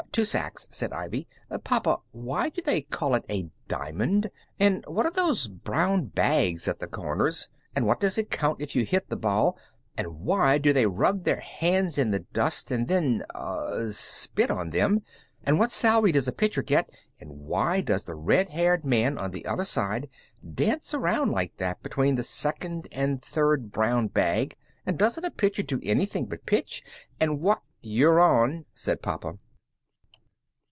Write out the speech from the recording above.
"Two sacks," said Ivy. "Papa, why do they call it a diamond, and what are those brown bags at the corners, and what does it count if you hit the ball, and why do they rub their hands in the dust and then er spit on them, and what salary does a pitcher get, and why does the red haired man on the other side dance around like that between the second and third brown bag, and doesn't a pitcher do anything but pitch, and wh ?" "You're on," said papa.